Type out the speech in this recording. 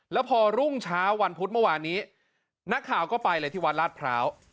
แล้วพอรุ่งเช้าวันพุธเมื่อวานนี้นักข่าวก็ไปเลยที่วัดลาดพร้าว